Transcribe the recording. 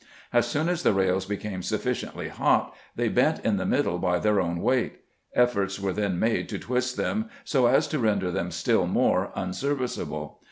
As soon as the rails became sufficiently hot they bent in the middle by their own weight ; efforts were then made to twist them so as to render them still more unserviceable.